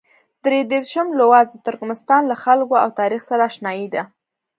درې دېرشم لوست د ترکمنستان له خلکو او تاریخ سره اشنايي ده.